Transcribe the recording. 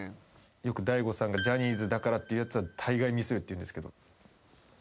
よく大悟さんがジャニーズだからって言うやつはたいがいミスるって言うんですけど。